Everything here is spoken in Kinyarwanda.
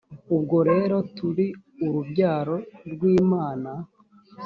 ubwo rero turi urubyaro rw imana .